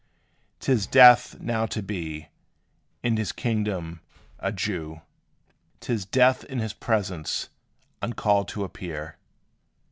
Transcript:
'T is death now to be, in his kingdom, a Jew 'T is death in his presence uncalled to appear.